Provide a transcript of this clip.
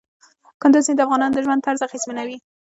کندز سیند د افغانانو د ژوند طرز اغېزمنوي.